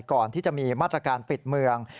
ก่อนที่จะมีมาตรการปิดเมือง